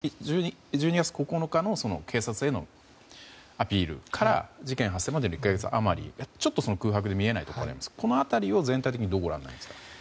この間の経緯、特に１２月９日の警察へのアピールから事件発生までの１か月余りちょっと空白で見えないんですがこの辺りを全体的にどうご覧になりますか？